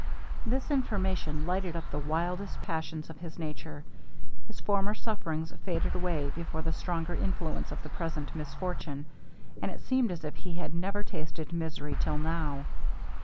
This information lighted up the wildest passions of his nature; his former sufferings faded away before the stronger influence of the present misfortune, and it seemed as if he had never tasted misery till now.